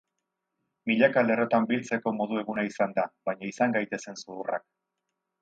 Milaka lerrotan biltzeko modu eguna izan da, baina izan gaitezen zuhurrak.